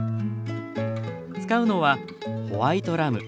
使うのはホワイトラム。